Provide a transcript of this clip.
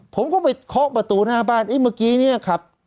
ผมก็ไปเคาะประตูหน้าบ้านเอ๊ะเมื่อกี้เนี่ยครับ